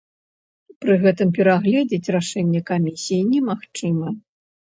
Пры гэтым перагледзіць рашэнне камісіі немагчыма.